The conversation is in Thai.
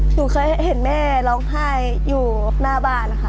หนูเคยเห็นแม่ร้องไห้อยู่หน้าบ้านนะคะ